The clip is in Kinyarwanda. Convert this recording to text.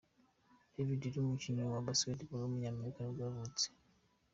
David Lee, umukinnyi wa basketball w’umunyamerika nibwo yavutse.